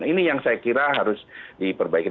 ini yang saya kira harus diperbaiki